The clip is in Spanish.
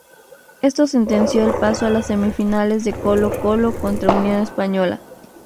Esto sentenció el paso a las semifinales de Colo-Colo contra Unión Española.